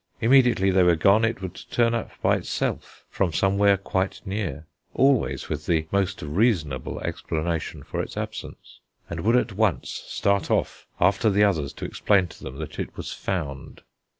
Immediately they were gone it would turn up by itself from somewhere quite near, always with the most reasonable explanation for its absence; and would at once start off after the others to explain to them that it was found.